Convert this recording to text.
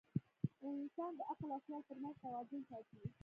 انسان د عقل او خیال تر منځ توازن ساتي.